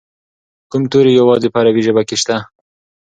کوم توري یوازې په عربي ژبه کې شته؟